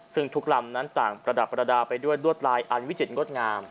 ซึ่งทุกลำและต่างประดับไปด้วยดรวดลายอาร์นวิจิตรนะครับ